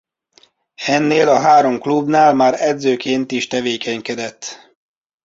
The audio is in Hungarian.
Ennél a három klubnál már edzőként is tevékenykedett.